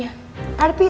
gak boleh gak diaminin